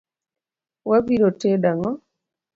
Wa biro tedo ang'o?